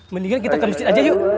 mendingan kita ke masjid aja yuk